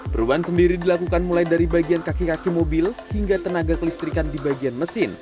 perubahan sendiri dilakukan mulai dari bagian kaki kaki mobil hingga tenaga kelistrikan di bagian mesin